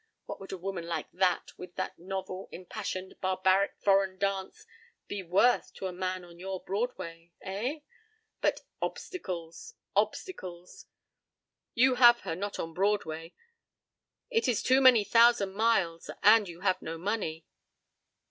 What would a woman like that, with that novel, impassioned, barbaric, foreign dance, be worth to a man on your Broadway? Eh? But obstacles! Obstacles! You have her not on Broadway. It is too many thousand miles, and you have no money.